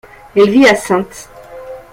Elle vit à St.